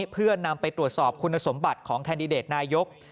เพื่อนำไปตรวจสอบคุณสมบัติของแคนดิเดตนายก